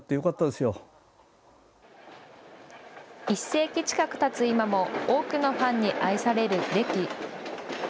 １世紀近くたつ今も多くのファンに愛されるデキ。